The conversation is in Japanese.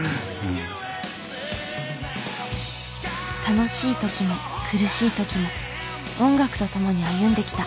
楽しい時も苦しい時も音楽とともに歩んできた。